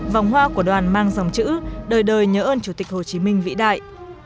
vòng hoa của đoàn mang dòng chữ đời đời nhớ ơn chủ tịch hồ chí minh vĩ đại